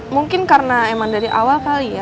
mungkin karena emang dari awal kali ya